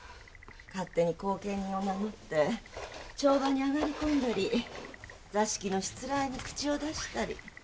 勝手に後見人を名乗って帳場に上がり込んだり座敷のしつらえに口を出したり。